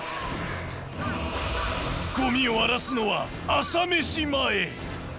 ゴミを荒らすのは朝飯前。